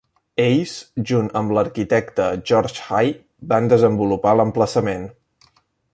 Ells, junt amb l"arquitecte George Hay, van desenvolupar l"emplaçament.